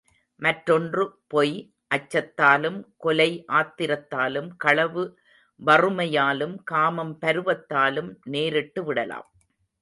மற்றொன்று பொய் அச்சத்தாலும், கொலை ஆத்திரத்தாலும், களவு வறுமையாலும், காமம் பருவத்தாலும் நேரிட்டு விடலாம்.